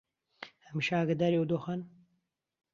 هەمیشە ئاگاداری ئەو دۆخەن